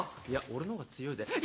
「いや俺のほうが強いぜ」。